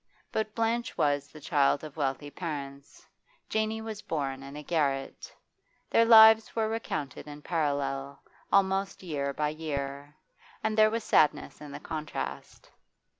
But Blanche was, the child of wealthy parents; Janey was born, in a garret. Their lives were recounted in parallel, almost year by year, and, there was sadness in the contrast.